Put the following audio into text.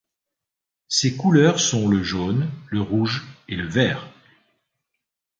Ses couleurs sont le jaune, le rouge et le vert.